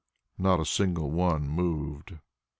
Not a single one moved.